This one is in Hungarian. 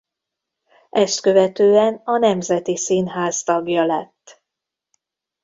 Ezt követően a Nemzeti Színház tagja lett.